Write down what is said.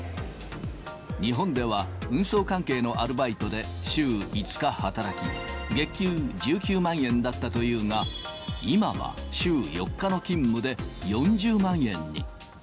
日本では運送関係のアルバイトで週５日働き、月給１９万円だったというが、今は週４日の勤務で、４０万円に。